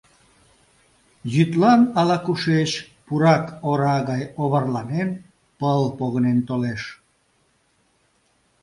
Йӱдлан ала-кушеч, пурак ора гай оварланен, пыл погынен толеш.